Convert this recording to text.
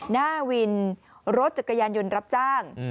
หน้าวินรถจักรยานยนต์รับจ้าง